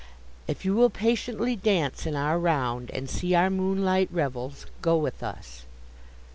If you will patiently dance in our round, And see our moonlight revels, go with us.